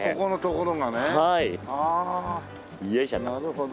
なるほど。